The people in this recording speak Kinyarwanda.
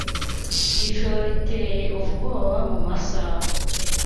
Ijoro riteye ubwoba mumasaha